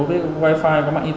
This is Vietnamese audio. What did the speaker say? tại nhiều tỉnh thành trên cả nước